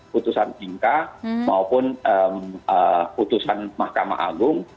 putusan mk maupun putusan mahkamah agung